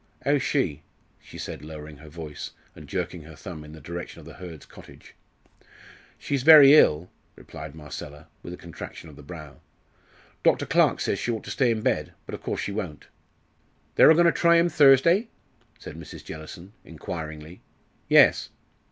'Ow 's she?" she said, lowering her voice and jerking her thumb in the direction of the Hurds' cottage. "She's very ill," replied Marcella, with a contraction of the brow. "Dr. Clarke says she ought to stay in bed, but of course she won't." "They're a goin' to try 'im Thursday?" said Mrs. Jellison, inquiringly. "Yes."